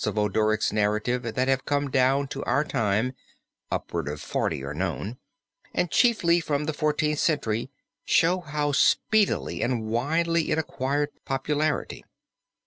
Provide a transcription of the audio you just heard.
of Odoric's narrative that have come down to our time (upwards of forty are known), and chiefly from the Fourteenth Century, show how speedily and widely it acquired popularity.